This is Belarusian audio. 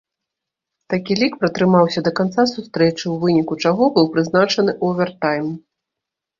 Такі лік пратрымаўся да канца сустрэчы, у выніку чаго быў прызначаны овертайм.